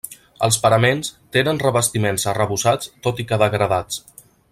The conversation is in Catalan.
Els paraments tenen revestiments arrebossats, tot i que degradats.